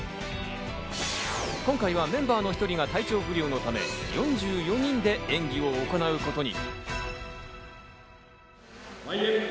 今回はメンバーの１人が体調不良のため４４人で演技を行うことに。